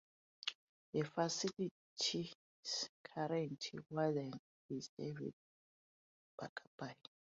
The facility's current warden is David Berkebile.